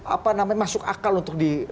apa namanya masuk akal untuk di